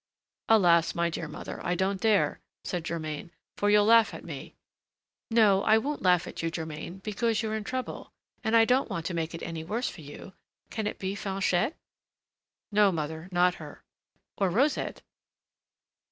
"Alas! my dear mother, I don't dare," said Germain, "for you'll laugh at me." "No, I won't laugh at you, Germain, because you're in trouble, and I don't want to make it any worse for you. Can it be Fanchette?" "No, mother, not her." "Or Rosette?"